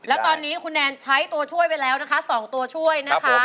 แล้วตอนนี้คุณแนนใช้ตัวช่วยไปแล้วนะคะ๒ตัวช่วยนะคะ